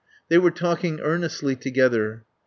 They were talking earnestly together.